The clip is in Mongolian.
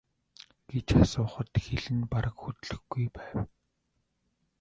гэж асуухад хэл нь бараг хөдлөхгүй байв.